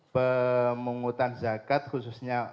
pemungutan zakat khususnya